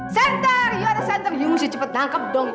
sentar ya ada senter you mesti cepet nangkep dong